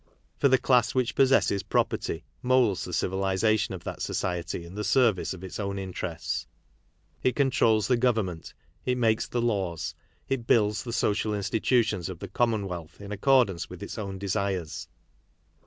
For the class iwhich possesses property moulds the civilization of that society in the service of its own interests. It controls the government, it makes the laws, it builds the social institutions of the commonwealth in accordance with its own desires.